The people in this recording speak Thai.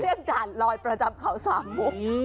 เรียกด่านลอยประจำเขาสามุก